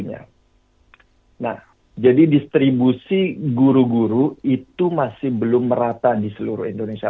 nah jadi distribusi guru guru itu masih belum merata di seluruh indonesia